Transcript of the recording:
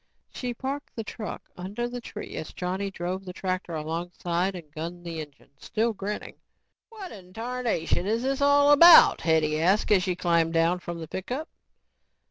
She parked the truck under the tree as Johnny drove the tractor alongside and gunned the engine, still grinning. "What in tarnation is this all about?" Hetty asked as she climbed down from the pickup.